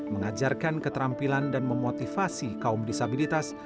mengajarkan keterampilan dan memotivasi kaum disabilitas